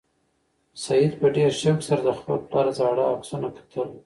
سعید په ډېر شوق سره د خپل پلار زاړه عکسونه کتل.